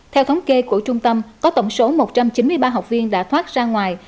theo thống kê của trung tâm có tổng số một trăm chín mươi ba học viên đã thoát ra ngoài